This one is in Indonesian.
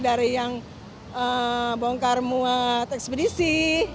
dari yang bongkar muat ekspedisi